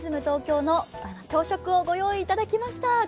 東京の朝食をご用意いただきました。